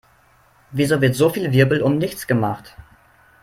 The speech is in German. Wieso wird so viel Wirbel um nichts gemacht?